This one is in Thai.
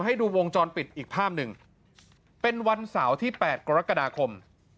ให้ดูวงจรปิดอีกภาพหนึ่งเป็นวันเสาร์ที่๘กรกฎาคม